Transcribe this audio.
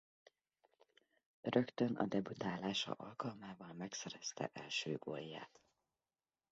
Rögtön a debütálása alkalmával megszerezte első gólját.